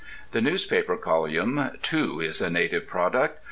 The newspaper colyum, too, is a native product.